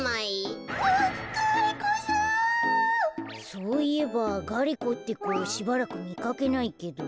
そういえばガリ子ってこしばらくみかけないけど。